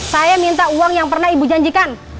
saya minta uang yang pernah ibu janjikan